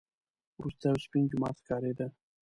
وروسته یو سپین جومات ښکارېده.